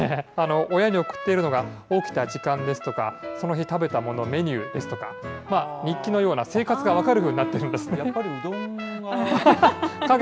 親に送っているのが、起きた時間ですとか、その日食べたもの、メニューですとか、日記のような、生活が分かるようになってるんでやっぱりうどんが。